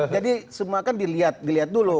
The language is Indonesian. jadi semua kan dilihat dulu